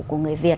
của người việt